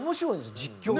実況が。